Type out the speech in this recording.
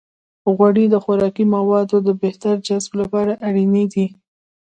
غوړې د خوراکي موادو د بهتر جذب لپاره اړینې دي.